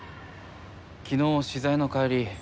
昨日取材の帰り